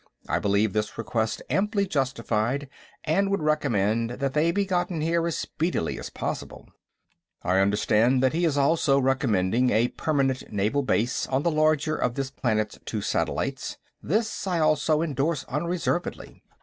I believe this request amply justified, and would recommend that they be gotten here as speedily as possible. "I understand that he is also recommending a permanent naval base on the larger of this planet's two satellites. This I also endorse unreservedly.